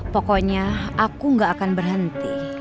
pokoknya aku gak akan berhenti